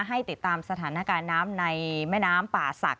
ให้ติดตามสถานการณ์น้ำในแม่น้ำป่าศักดิ